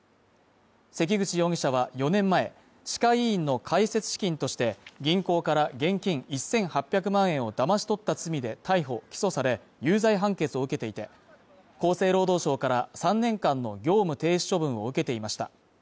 関口容疑者は４年前、歯科医院の開設資金として銀行から現金１８００万円をだまし取った罪で逮捕、起訴され有罪判決を受けていて、厚生労働省から３年間の業務停止処分を受けていました。